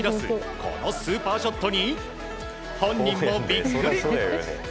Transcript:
このスーパーショットに本人もビックリ。